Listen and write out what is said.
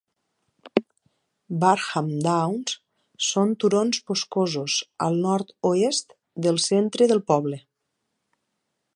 Barham Downs són turons boscosos al nord-oest del centre del poble.